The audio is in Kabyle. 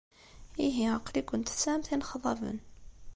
Ihi, aql-ikent tesɛamt inexḍaben.